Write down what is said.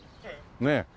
ねえ。